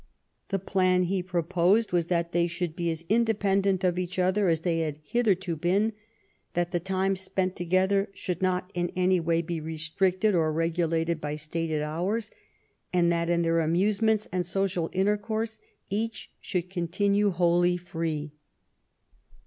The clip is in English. The plan he proposed was that they should be as independent of each other as they had hitherto been, that the time spent together should not in any way be restricted or regulated by stated hours, and that, in their amusements and social intercourse, each should continue wholly free.